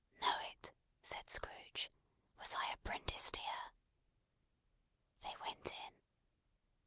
"Know it!" said Scrooge. "Was I apprenticed here!" They went in.